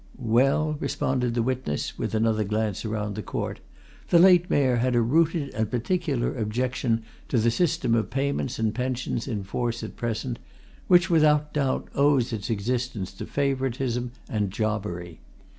"Well," responded the witness, with another glance around the court, "the late Mayor had a rooted and particular objection to the system of payments and pensions in force at present, which, without doubt, owes its existence to favouritism and jobbery.